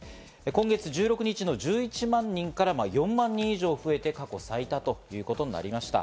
今月１６日の１１万人から４万人以上増えて過去最多ということになりました。